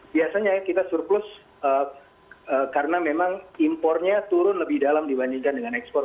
biasanya kita surplus karena memang impornya turun lebih dalam dibandingkan dengan ekspor